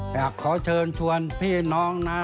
อยากขอเชิญชวนพี่น้องนะ